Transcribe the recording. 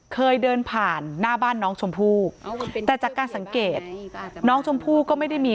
เคยเดินผ่านหน้าบ้านน้องชมพู่แต่จากการสังเกตน้องชมพู่ก็ไม่ได้มี